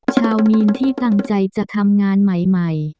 ชาวมีนที่ตั้งใจจะทำงานใหม่